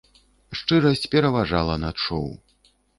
Шчырасць пераважала над шоу.